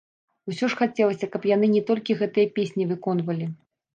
Усё ж хацелася, каб яны не толькі гэтыя песні выконвалі.